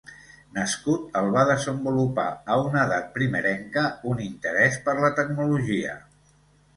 Nascut el va desenvolupar a una edat primerenca un interès per la tecnologia.